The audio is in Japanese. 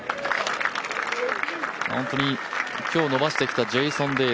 本当に今日伸ばしてきたジェイソン・デイ。